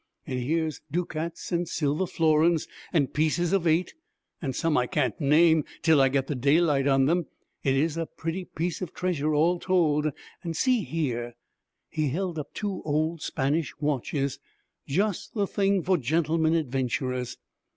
And here's ducats and silver florins, and pieces of eight and some I can't name till I get the daylight on them. It's a pretty bit of treasure all told; and see here ' He held up two old Spanish watches, just the thing for gentlemen adventurers.